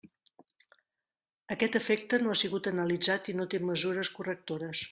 Aquest efecte no ha sigut analitzat i no té mesures correctores.